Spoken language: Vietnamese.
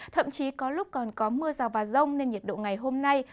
thậm chí có lúc còn có mưa rào và rông nên nhiệt độ ngày hôm nay